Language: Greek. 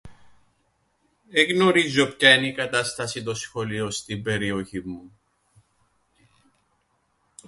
Εν γνωρίζω ποια εν' η κατάσταση των σχολείων στην περιοχήν μου.